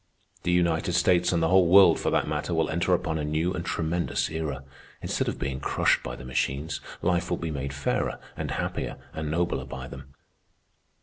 The United States, and the whole world for that matter, will enter upon a new and tremendous era. Instead of being crushed by the machines, life will be made fairer, and happier, and nobler by them.